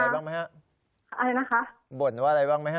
อืมพ่อค้าแม่ค้าบ่นว่าอะไรบ้างไหมฮะ